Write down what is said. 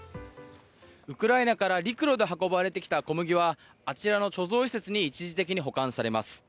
ウクライナから陸路で運ばれてきた小麦はあちらの貯蔵施設に一時的に保管されます。